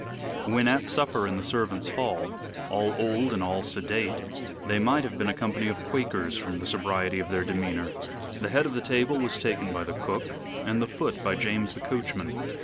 When at supper in the servants' hall all old and all sedate they might have been a company of Quakers from the sobriety of their demeanor. The head of the table was taken by the cook, and the foot by James the coachman.